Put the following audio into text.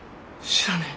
知らねえ！